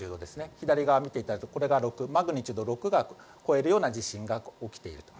左側を見ていただくとマグニチュード６を超えるような地震が起きていると。